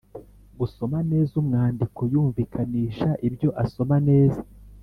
Gusoma neza umwandiko yumvikanisha ibyo asoma neza